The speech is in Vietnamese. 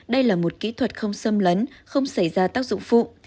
đây là một kỹ thuật không xâm lấn không xảy ra tác dụng phụ